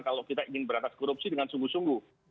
kalau kita ingin berantas korupsi dengan sungguh sungguh